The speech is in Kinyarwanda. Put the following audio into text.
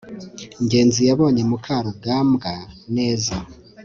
ngenzi yabonye mukarugambwa neza